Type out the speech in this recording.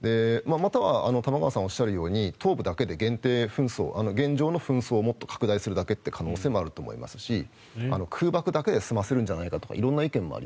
または玉川さんがおっしゃるように東部だけで限定紛争現状の紛争をもっと拡大するだけという可能性もあると思いますし空爆だけで済ませる可能性もあると思います。